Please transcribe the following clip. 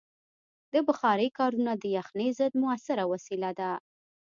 د بخارۍ کارونه د یخنۍ ضد مؤثره وسیله ده.